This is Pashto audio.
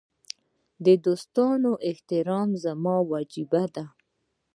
د دوستانو احترام زما وجیبه ده.